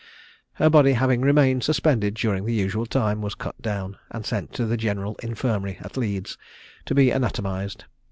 Her body having remained suspended during the usual time, was cut down, and sent to the General Infirmary at Leeds to be anatomised.